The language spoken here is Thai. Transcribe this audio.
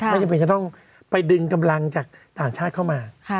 ไม่จำเป็นจะต้องไปดึงกำลังจากต่างชาติเข้ามา